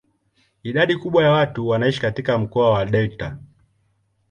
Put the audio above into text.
Idadi kubwa ya watu wanaishi katika mkoa wa delta.